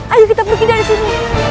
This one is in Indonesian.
ayo kita pergi dari sini